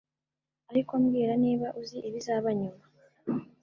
Ariko mbwira niba uzi ibizaba nyuma